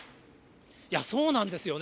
そうなんですよね。